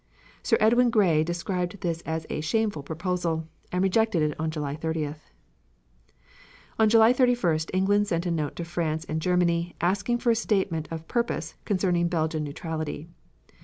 Sir Edward Grey described this as a "shameful proposal," and rejected it on July 30th. On July 31st England sent a note to France and Germany asking for a statement of purpose concerning Belgian neutrality.